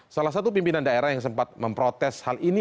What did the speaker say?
salah satu pimpinan daerah yang sempat memprotes hal ini